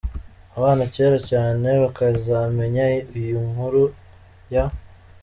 Abana Kera Cyane bakazamenya iyo nkuru y.